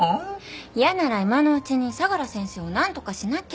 嫌なら今のうちに相良先生をなんとかしなきゃ。